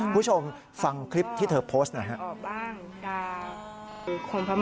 ผู้ชมฟังคลิปที่เธอโพสต์นะครับ